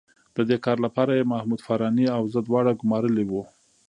د دې کار لپاره یې محمود فاراني او زه دواړه ګومارلي وو.